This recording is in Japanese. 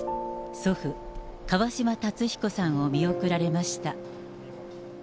祖父、川嶋辰彦さんを見送られました。